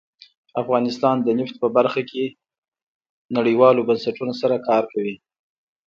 افغانستان د نفت په برخه کې نړیوالو بنسټونو سره کار کوي.